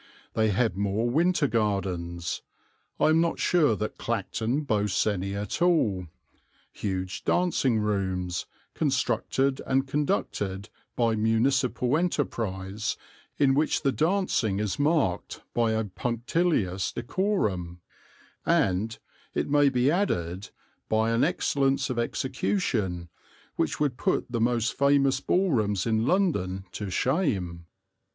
They have more Winter Gardens I am not sure that Clacton boasts any at all huge dancing rooms, constructed and conducted by municipal enterprise, in which the dancing is marked by a punctilious decorum and, it may be added, by an excellence of execution, which would put the most famous ball rooms in London to shame.